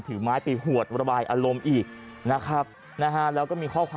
ถือไม้ไปหวดระบายอารมณ์อีกนะครับนะฮะแล้วก็มีข้อความ